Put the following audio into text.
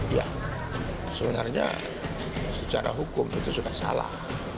ya sebenarnya secara hukum itu sudah salah